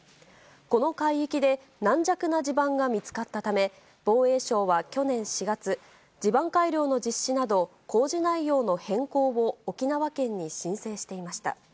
この海域で軟弱な地盤が見つかったため、防衛相は去年４月、地盤改良の実施など、工事内容の変更を沖縄県に申請していました。